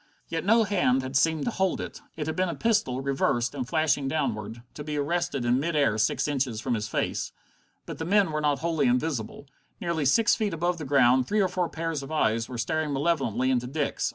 Yet no hand had seemed to hold it. It had been a pistol, reversed, and flashing downward, to be arrested in mid air six inches from his face. But the men were not wholly invisible. Nearly six feet above the ground, three or four pairs of eyes were staring malevolently into Dick's.